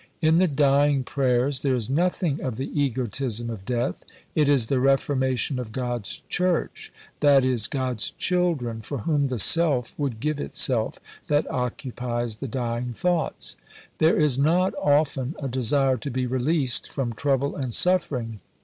In the dying prayers, there is nothing of the "egotism of death." It is the reformation of God's church that is, God's children, for whom the self would give itself, that occupies the dying thoughts. There is not often a desire to be released from trouble and suffering.